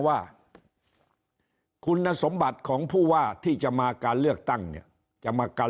ว่าคุณสมบัติของผู้ว่าที่จะมาการเลือกตั้งเนี่ยจะมากัน